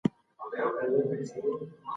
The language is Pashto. کورنۍ اړيکي انسان ژغوري.